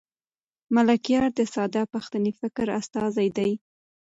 ملکیار د ساده پښتني فکر استازی دی.